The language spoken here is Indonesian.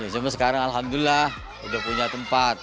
cuma sekarang alhamdulillah udah punya tempat